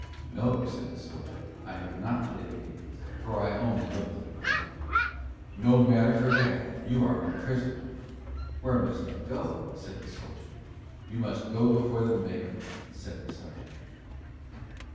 "No," said the soldier, "I have not play'd a game, for I only look'd at a pack." "No matter for that, you are my prisoner." "Where must we go," said the soldier? "You must go before the mayor," said the serjeant.